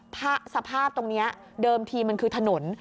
สภาพตรงนี้เดิมทีมันคือถนน